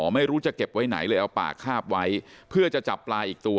ไม่รู้จะเก็บไว้ไหนเลยเอาปากคาบไว้เพื่อจะจับปลาอีกตัว